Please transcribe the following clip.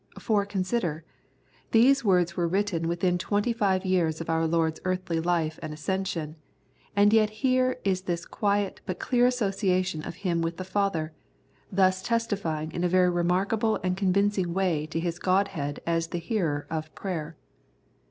For con sider : these words were written within twenty five years of our Lord's earthly life and ascension, and yet here is this quiet but clear association of Him with the Father, thus testifying in a very remarkable and con vincing way to His Godhead as the Hearer of prayer.